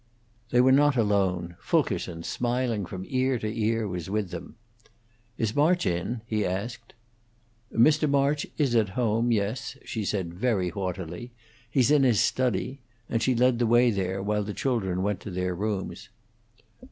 They were not alone. Fulkerson, smiling from ear to ear, was with them. "Is March in?" he asked. "Mr. March is at home, yes," she said very haughtily. "He's in his study," and she led the way there, while the children went to their rooms.